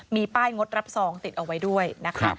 มีป้ายงดรับซองติดเอาไว้ด้วยนะคะ